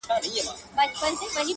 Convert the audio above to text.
د قبر ته څو پېغلو څو زلميو ماښام!!